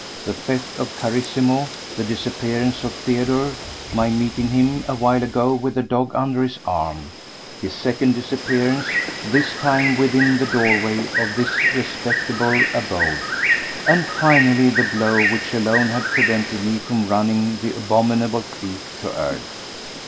The theft of Carissimo—the disappearance of Theodore—my meeting him a while ago, with the dog under his arm—his second disappearance, this time within the doorway of this "respectable abode," and finally the blow which alone had prevented me from running the abominable thief to earth.